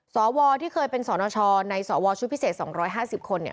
สวที่เคยเป็นสนชในสวชุดพิเศษ๒๕๐คนเนี่ย